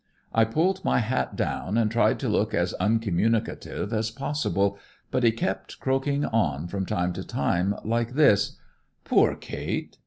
I pulled my hat down and tried to look as uncommunicative as possible; but he kept croaking on from time to time, like this: 'Poor Kate!